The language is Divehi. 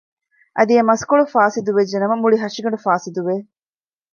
އަދި އެ މަސްކޮޅު ފާސިދު ވެއްޖެ ނަމަ މުޅި ހަށިގަނޑު ފާސިދު ވެދޭ